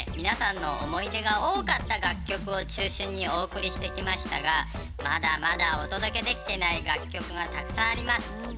皆さんの思い出が多かった楽曲を中心にお送りしてきましたがまだまだお届けできてない楽曲がたくさんあります。